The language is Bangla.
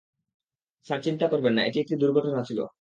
স্যার চিন্তা করবেন না, এটি একটি দুর্ঘটনা ছিল।